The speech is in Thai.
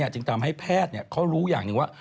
จึงทำให้แพทย์เขารู้อย่างหนึ่งว่า